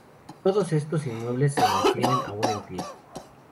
Todos estos inmuebles se mantienen aun en pie.